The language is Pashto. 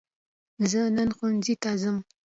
زه نن ښوونځي ته ځم